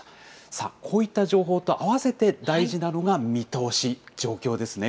さあ、こういった情報と併せて大事なのが、見通し、状況ですね。